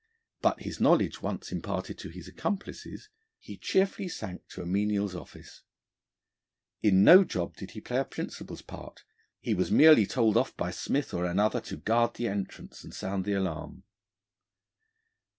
But, his knowledge once imparted to his accomplices, he cheerfully sank to a menial's office. In no job did he play a principal's part: he was merely told off by Smith or another to guard the entrance and sound the alarm.